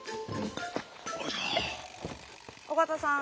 尾形さん。